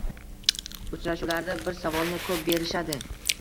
Uchrashuvlarda bir savolni ko’p berishadi: